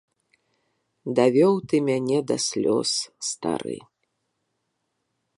Давёў ты мяне да слёз, стары.